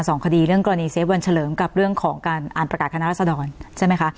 สองคดีเรื่องกรณีเซฟวันเฉลิมกับเรื่องของการอ่านประกาศคณะรัศดรใช่ไหมคะ